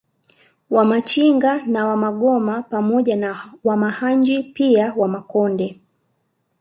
Wamachinga na Wamagoma pamoja na Wamahanji pia Wamakonde